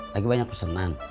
lagi banyak pesenan